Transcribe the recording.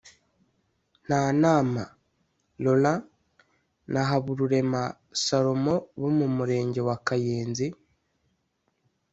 Ntanama Laurent na Habarurema Salomon bo mu Murenge wa Kayenzi